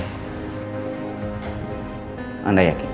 untuk mengganggu keluarga alpari